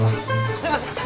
すいません。